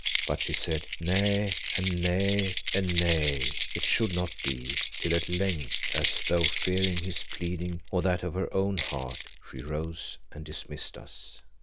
But she said, Nay, and nay, and nay, it should not be, till at length, as though fearing his pleading, or that of her own heart, she rose and dismissed us.